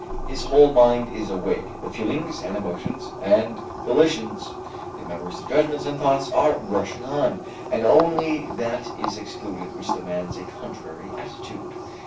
His whole mind is awake; the feelings and emotions and volitions, the memories and judgments and thoughts are rushing on, and only that is excluded which demands a contrary attitude.